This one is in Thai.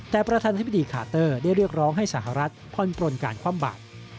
แต่ประธานาธิบดีคาเตอร์ได้เรียกร้องให้สหรัฐผ่อนปลนการคว่ำบาด